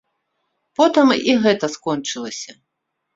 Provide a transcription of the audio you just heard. Потым і гэта скончылася.